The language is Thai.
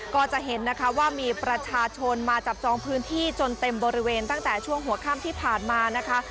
ก็จะเห็นนะคะว่ามีประชาชนมาจับจองพื้นที่จนเต็มบริเวณตั้งแต่ช่วงหัวค่ำที่ผ่านมานะคะ